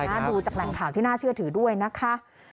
ดูจากแหล่งข่าวที่น่าเชื่อถือด้วยนะคะ